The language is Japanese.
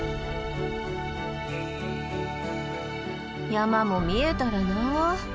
山も見えたらなあ。